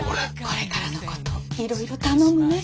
これからのこといろいろ頼むね。